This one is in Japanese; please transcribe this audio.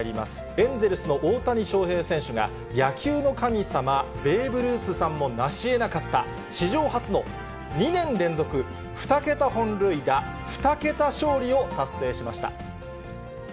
エンゼルスの大谷翔平選手が野球の神様、ベーブ・ルースさんも成しえなかった、史上初の２年連続２桁本塁打、２桁勝利を達成しました。